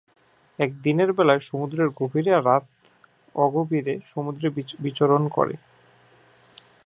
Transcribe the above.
এরা দিনের বেলায় সমুদ্রের গভীরে আর রাতে অগভীর সমুদ্রে বিচরণ করে।